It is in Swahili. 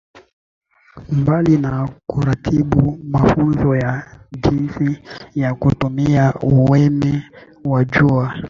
Mbali na kuratibu mafunzo ya jinsi ya kutumia umeme wa jua